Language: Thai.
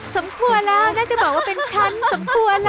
สมควรแล้วน่าจะบอกว่าเป็นฉันสมควรแล้ว